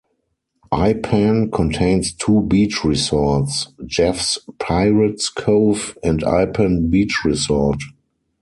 Ipan contains two beach resorts: Jeff's Pirates Cove and Ipan Beach Resort.